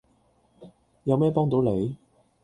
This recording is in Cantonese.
有咩幫到你？